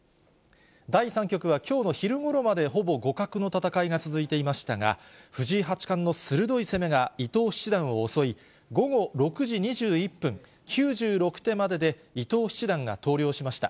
第３局はきょうの昼ごろまでほぼ互角の戦いが続いていましたが、藤井八冠の鋭い攻めが伊藤七段を襲い、午後６時２１分、９６手までで伊藤七段が投了しました。